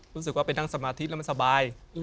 รู้สึกว่าไปนั่งสมาธิแล้วมันสบาย